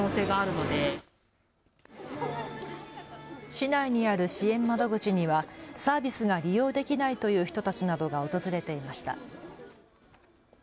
市内にある支援窓口にはサービスが利用できないという人たちなどが訪れていました。